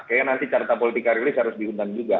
kayaknya nanti carta politika rilis harus diundang juga